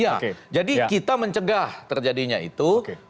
iya jadi kita mencegah terjadinya itu